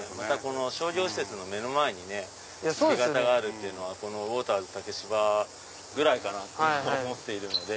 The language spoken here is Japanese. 商業施設の目の前に干潟があるっていうのはウォーターズ竹芝ぐらいかなって思っているので。